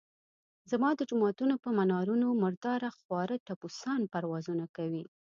زما د جوماتونو پر منارونو مردار خواره ټپوسان پروازونه کوي.